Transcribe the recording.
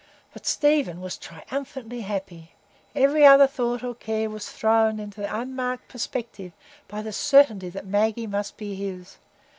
But Stephen was triumphantly happy. Every other thought or care was thrown into unmarked perspective by the certainty that Maggie must be his.